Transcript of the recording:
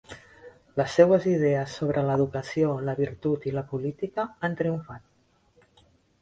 Les seues idees sobre l'educació, la virtut i la política han triomfat.